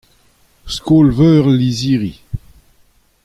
Skol-veur al lizhiri.